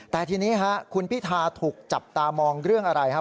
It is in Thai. แต่ทีนี้คุณพิธาถูกจับตามองเรื่องอะไรครับ